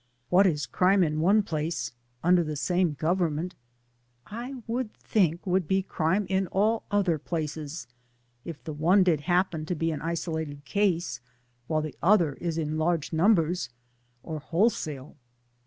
What is crime in one place, under the same Government, I would think, would be crime in all other places, if the one did happen to be an isolated case, while the other is in large numbers, or wholesale.